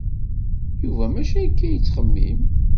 Yuba mačči akka i yettxemmim.